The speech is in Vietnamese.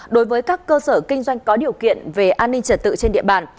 đối với các cơ sở kinh doanh có điều kiện về an ninh trật tự trên địa bàn